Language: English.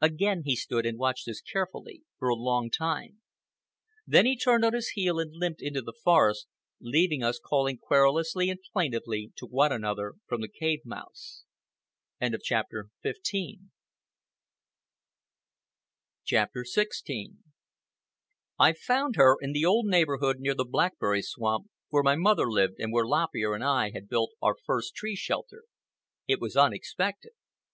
Again he stood and watched us carefully, for a long time. Then he turned on his heel and limped into the forest, leaving us calling querulously and plaintively to one another from the cave mouths. CHAPTER XVI I found her down in the old neighborhood near the blueberry swamp, where my mother lived and where Lop Ear and I had built our first tree shelter. It was unexpected.